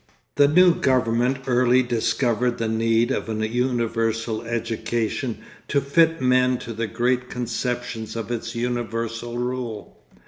The new government early discovered the need of a universal education to fit men to the great conceptions of its universal rule.